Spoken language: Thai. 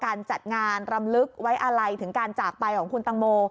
การจัดงานรำลึกไว้อะไรถึงการจากไปของคุณตังโม